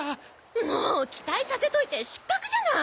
もう期待させといて失格じゃない！